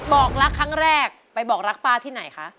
บอกรักครั้งแรกไปบอกรักป้าที่ไหนคะ